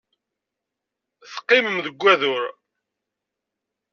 Teqqimem deg wadur.